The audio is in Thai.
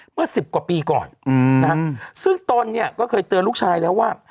เมื่อ๑๐กว่าปีก่อนนะฮะซึ่งตนเนี่ยก็เคยเตือนลูกชายแล้วว่า